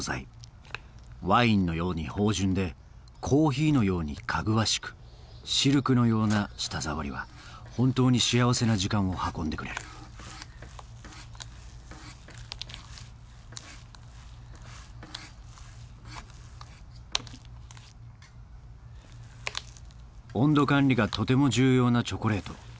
ワインのように芳じゅんでコーヒーのようにかぐわしくシルクのような舌触りは本当に幸せな時間を運んでくれる温度管理がとても重要なチョコレート。